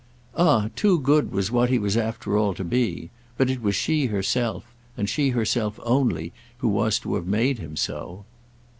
"Ah too good was what he was after all to be; but it was she herself, and she herself only, who was to have made him so."